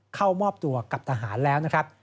เข้ามอบตัวกับทหารแล้วนะครับ